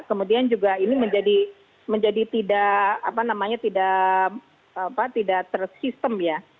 kemudian juga ini menjadi tidak apa namanya tidak tersistem ya